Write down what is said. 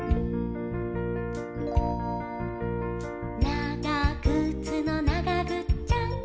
「ながぐつの、ながぐっちゃん！！」